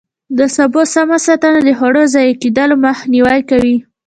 د سبو سمه ساتنه د خوړو ضایع کېدو مخنیوی کوي.